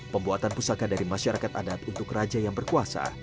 pembuatan pusaka dari masyarakat adat untuk raja yang berkuasa